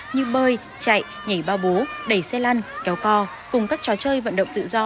như bơi chạy nhảy bao bố đẩy xe lăn kéo co cùng các trò chơi vận động tự do